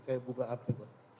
kayak buka api